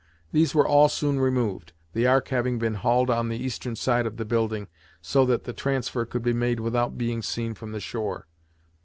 These were all soon removed, the Ark having been hauled on the eastern side of the building, so that the transfer could be made without being seen from the shore.